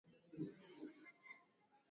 ya mji wa Ankara Mwisho wa wiki iliopita malaki